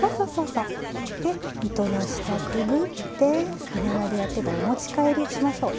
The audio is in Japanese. で糸の下くぐって今までやってたお持ち帰りをしましょう。